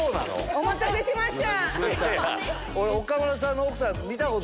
お待たせしました。